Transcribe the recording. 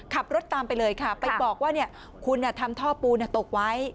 ขับรถตามไปเลยค่ะไปบอกว่าคุณทำท่อปูนตกไว้